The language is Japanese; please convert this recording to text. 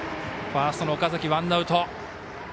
ファーストの岡崎、ワンアウト。